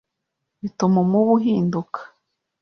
bituma umubu uhinduka